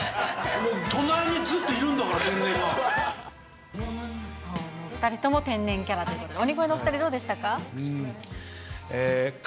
もう隣にずっといるんだから、お２人とも天然キャラということで、鬼越のお２人、どうでしたか？